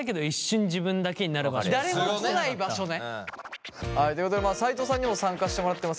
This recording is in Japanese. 誰も来ない場所ね。ということで斎藤さんにも参加してもらってます。